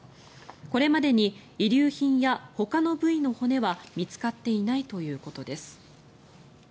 これまでに遺留品やほかの部位の骨は見つかっていないということです。